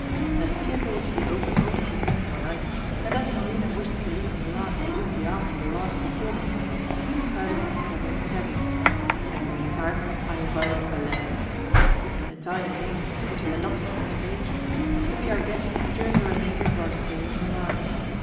The theatre was to be open only for ten more nights, and as Marina wished to leave Milan immediately after the last performance, we decided on travelling together. In the mean time, I invited Baletti (it was an Italian name which he had adopted for the stage) to be our guest during the remainder of our stay in Milan.